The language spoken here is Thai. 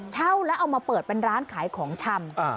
เช่าแล้วเอามาเปิดเป็นร้านขายของชำ